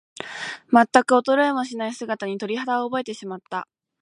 まったく衰えもしない姿に、鳥肌を覚えてしまった。